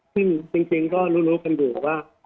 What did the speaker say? ซึ่งจริงก็รู้กันอยู่ว่า